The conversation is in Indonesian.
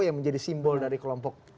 yang menjadi simbol dari kelompok